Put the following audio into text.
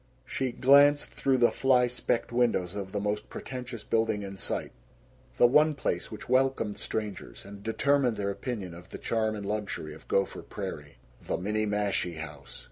She glanced through the fly specked windows of the most pretentious building in sight, the one place which welcomed strangers and determined their opinion of the charm and luxury of Gopher Prairie the Minniemashie House.